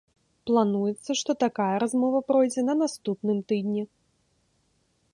Плануецца, што такая размова пройдзе на наступным тыдні.